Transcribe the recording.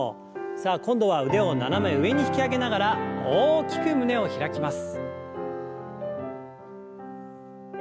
さあ今度は腕を斜め上に引き上げながら大きく胸を開きます。